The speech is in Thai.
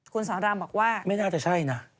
คุณสอนรามบอกว่าไม่น่าจะใช่นะ